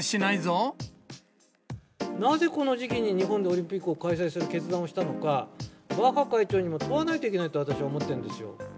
なぜこの時期に、日本でオリンピックを開催する決断をしたのか、バッハ会長にも問わないといけないと、私は思ってるんですよ。